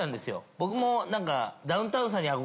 僕も何か。